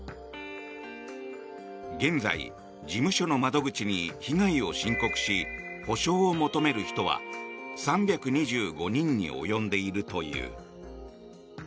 現在、事務所の窓口に被害を申告し補償を求める人は３２５人に及んでいるという。